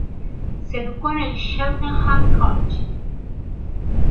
Se educó en el Cheltenham College.